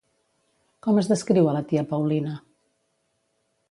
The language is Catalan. Com es descriu a la tia Paulina?